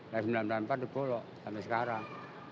dari seribu sembilan ratus sembilan puluh empat di kulo sampai sekarang